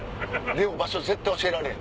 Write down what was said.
でも場所絶対教えられへん。